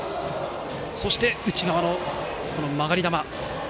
そして内側の曲がり球。